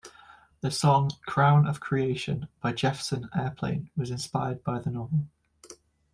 The song "Crown of Creation" by Jefferson Airplane was inspired by the novel.